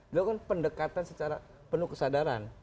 dilakukan pendekatan secara penuh kesadaran